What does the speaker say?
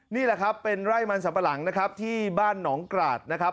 นี่แหละครับเป็นไร่มันสัมปะหลังนะครับที่บ้านหนองกราศนะครับ